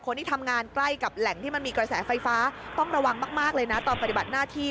คนที่ทำงานใกล้กับแหล่งที่มันมีกระแสไฟฟ้าต้องระวังมากเลยนะตอนปฏิบัติหน้าที่